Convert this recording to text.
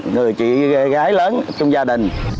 người chị gái lớn trong gia đình